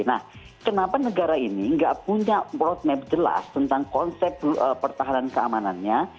nah kenapa negara ini nggak punya roadmap jelas tentang konsep pertahanan keamanannya